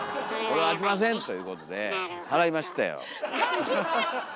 これはあきませんっていうことで払いましたよ。